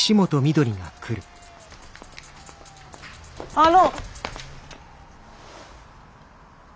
あの！